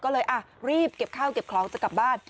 เลยรีบเก็บข้าวเก็บเคราะห์จะกลับบ้าน